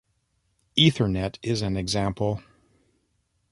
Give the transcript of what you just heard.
Ethernet is an example.